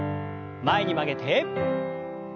前に曲げて。